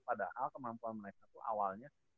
padahal kemampuan mereka itu awalnya